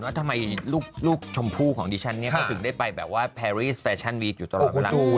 ว่าทำไมลูกชมผู้ของดิฉันเนี่ยก็ถึงได้ไปแบบว่าแฟรีสแฟชั่นวีคอยู่ตลอด